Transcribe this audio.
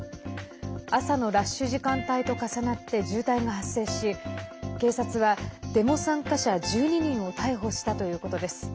朝のラッシュ時間帯と重なって渋滞が発生し警察は、デモ参加者１２人を逮捕したということです。